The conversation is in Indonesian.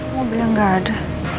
mobilnya gak ada